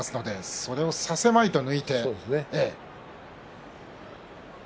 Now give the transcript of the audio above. それをさせまいという。